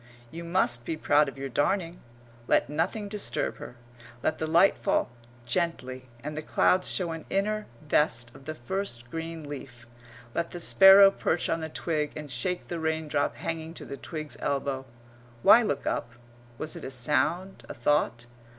You must be proud of your darning. Let nothing disturb her. Let the light fall gently, and the clouds show an inner vest of the first green leaf. Let the sparrow perch on the twig and shake the raindrop hanging to the twig's elbow.... Why look up? Was it a sound, a thought?